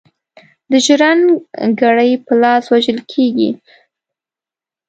د ژرند ګړي په لاس وژل کیږي.